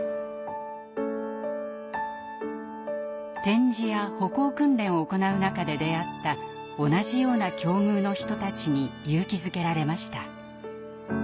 点字や歩行訓練を行う中で出会った同じような境遇の人たちに勇気づけられました。